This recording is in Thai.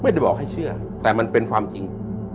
ไม่ได้บอกให้เชื่อแต่มันเป็นความจริง